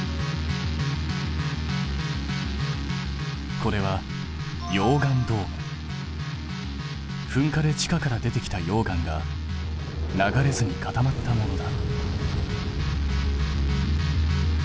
これは噴火で地下から出てきた溶岩が流れずに固まったものだ。